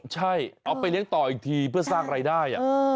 ใช่เอาไปเลี้ยงต่ออีกทีเพื่อสร้างรายได้